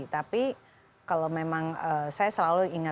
tapi kalau memang saya selalu ingat